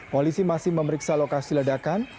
polisi masih memeriksa lokasi ledakan